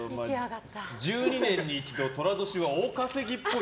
１２年に一度寅年は大稼ぎっぽい。